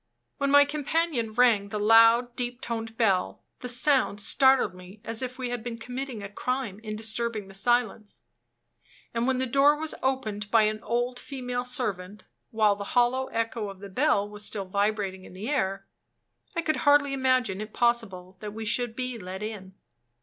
When my companion rang the loud, deep toned bell, the sound startled me as if we had been committing a crime in disturbing the silence. And when the door was opened by an old female servant (while the hollow echo of the bell was still vibrating in the air), I could hardly imagine it possible that we should be let in.